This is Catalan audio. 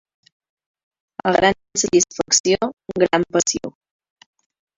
A gran satisfacció, gran passió.